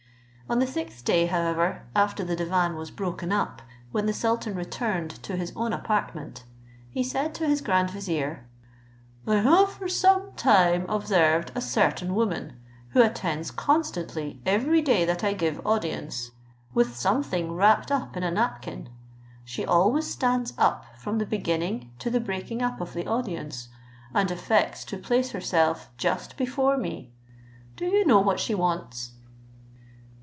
On the sixth day, however, after the divan was broken up, when the sultan returned to his own apartment, he said to his grand vizier, "I have for some time observed a certain woman, who attends constantly every day that I give audience, with something wrapped up in a napkin: she always stands up from the beginning to the breaking up of the audience, and affects to place herself just before me. Do you know what she wants?"